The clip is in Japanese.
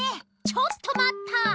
ちょっとまった！